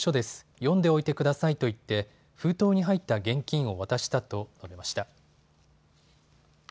読んでおいてくださいと言って封筒に入った現金を渡したと述べました。